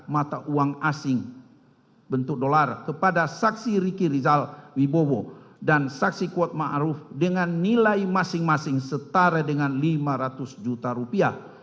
mata uang asing bentuk dolar kepada saksi ricky rizal wibowo dan saksi kuat ⁇ maruf ⁇ dengan nilai masing masing setara dengan lima ratus juta rupiah